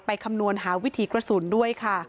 คำนวณหาวิถีกระสุนด้วยค่ะ